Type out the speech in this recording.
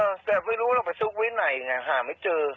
แต่ไม่รู้เราไปซุกไว้ไหนไงหาไม่เจอ